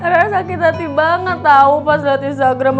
rara sakit hati banget tau pas liat instagram